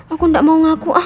aku gak mau ngaku ah